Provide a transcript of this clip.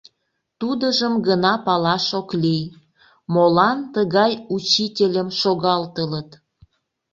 Тудыжым гына палаш ок лий: молан тыгай учительым шогалтылыт?